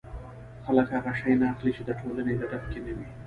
خلک هغه شی نه اخلي چې د ټولنې ګټه پکې نه وي